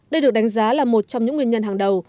đây được đánh giá là một trong những nguyên nhân hàng đầu